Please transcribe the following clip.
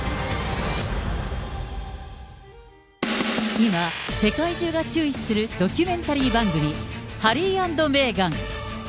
今、世界中が注視するドキュメンタリー番組、ハリー＆メーガン。